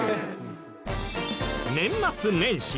年末年始